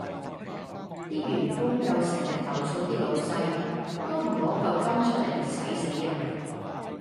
啲員工又成日投訴啲老細：都唔挪舊金出嚟，駛死人